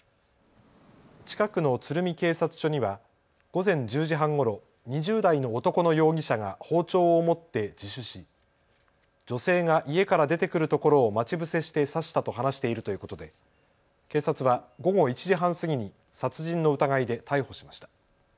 近くの鶴見警察署には午前１０時半ごろ、２０代の男の容疑者が包丁を持って自首し女性が家から出てくるところを待ち伏せして刺したと話しているということで警察は午後１時半過ぎに殺人の疑いで逮捕しました。